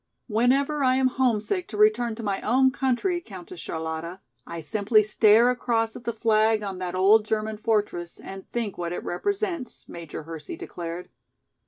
"Whenever I am homesick to return to my own country, Countess Charlotta, I simply stare across at the flag on that old German fortress and think what it represents," Major Hersey declared.